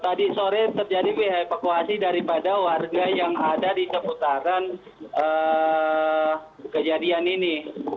tadi sore terjadi evakuasi daripada warga yang ada di seputaran kejadian ini